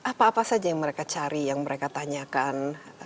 apa apa saja yang mereka cari yang mereka tanyakan